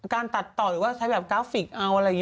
การตัดต่อหรือว่าใช้แบบกราฟิกเอาอะไรอย่างนี้